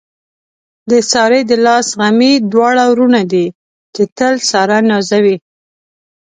د سارې د لاس غمي دواړه وروڼه دي، چې تل ساره نازوي.